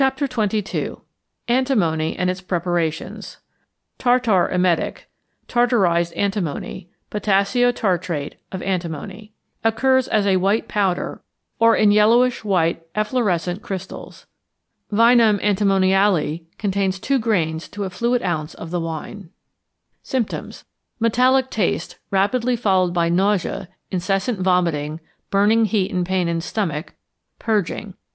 ANTIMONY AND ITS PREPARATIONS =Tartar Emetic= (tartarized antimony, potassio tartrate of antimony) occurs as a white powder, or in yellowish white efflorescent crystals. Vinum antimoniale contains 2 grains to a fluid ounce of the wine. Symptoms. Metallic taste, rapidly followed by nausea, incessant vomiting, burning heat and pain in stomach, purging.